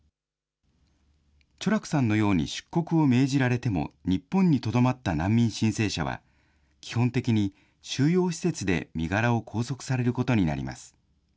チョラクさんのように出国を命じられても日本にとどまった難民申請者は、基本的に収容施設で身柄を拘束されることになります。